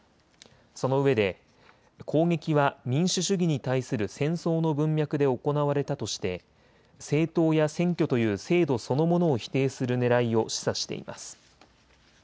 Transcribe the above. そのうえで攻撃は民主主義に対する戦争の文脈で行われたとして政党や選挙という制度そのものを否定するねらいを示唆しています。